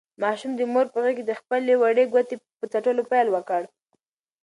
ماشوم د مور په غېږ کې د خپلې وړې ګوتې په څټلو پیل وکړ.